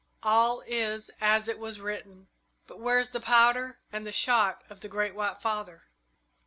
All is as it was written. But where is the powder and shot of the Great White Father?